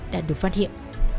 đã được phát hiện